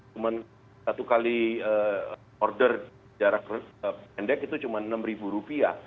cuma satu kali order jarak pendek itu cuma rp enam